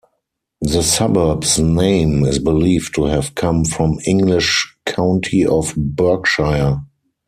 The suburb's name is believed to have come from English county of Berkshire.